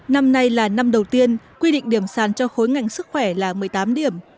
năm nay là năm đầu tiên quy định điểm sàn cho khối ngành sức khỏe là một mươi tám điểm